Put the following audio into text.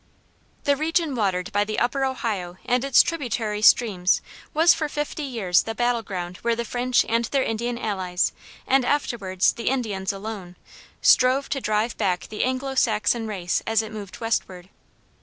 The region watered by the upper Ohio and its tributary streams was for fifty years the battle ground where the French and their Indian allies, and afterwards the Indians alone, strove to drive back the Anglo Saxon race as it moved westward.